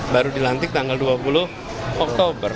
baru dilantik tanggal dua puluh oktober